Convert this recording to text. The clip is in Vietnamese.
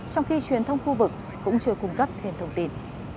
trong khi truyền thông khu vực cũng chưa cung cấp thêm thông tin